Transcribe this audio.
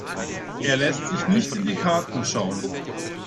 Er lässt sich nicht in die Karten schauen.